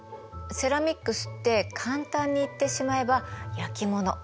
セラミックスって簡単に言ってしまえば焼き物。